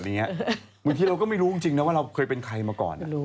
บางทีเราก็ไม่รู้จริงนะว่าเราเคยเป็นใครมาก่อน